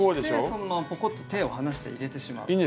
そしてそのままぽこっと手を離して入れてしまう。